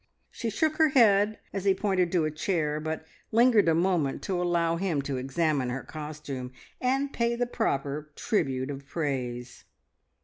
She shook her head as he pointed to a chair, but lingered a moment to allow him to examine her costume and pay the proper tribute of praise.